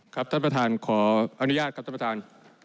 ท่านประธานขออนุญาตครับท่านประธาน